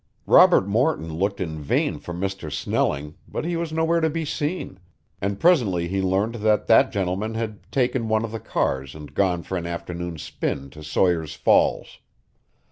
Robert Morton looked in vain for Mr. Snelling but he was nowhere to be seen, and presently he learned that that gentleman had taken one of the cars and gone for an afternoon's spin to Sawyer's Falls.